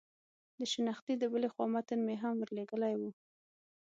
د شنختې د بلې خوا متن مې هم ور لېږلی و.